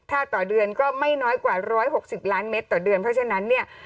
ถ้าต่อเดือนก็ไม่น้อยกว่า๑๖๐ล้านเมตรต่อเดือนเพราะฉะนั้นเนี่ย